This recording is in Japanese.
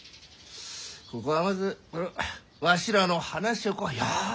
ここはまずわしらの話をよく聞いて。